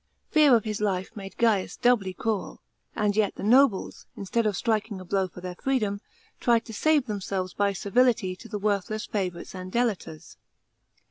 Fear of his life made Gains doubly cruel, and yet the nobles, instead of striking a blow for their fivedom, tried to save themselves by servility to the worth less favourites and delators.